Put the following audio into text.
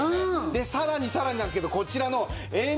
でさらにさらになんですけどこちらの延長のパイプ